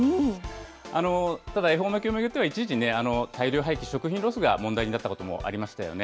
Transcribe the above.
ただ恵方巻によっては、一時、大量廃棄、食品ロスが問題になったこともありましたよね。